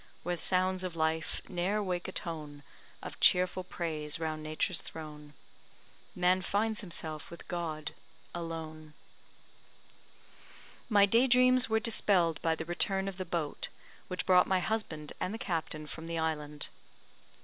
Where sounds of life ne'er wake a tone Of cheerful praise round Nature's throne, Man finds himself with God alone. My daydreams were dispelled by the return of the boat, which brought my husband and the captain from the island.